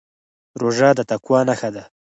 روژه د تقوا نښه ده.